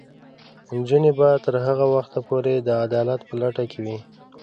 نجونې به تر هغه وخته پورې د عدالت په لټه کې وي.